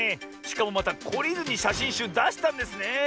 しかもまたこりずにしゃしんしゅうだしたんですねえ。